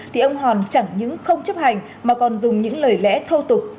thì ông hòn chẳng những không chấp hành mà còn dùng những lời lẽ thô tục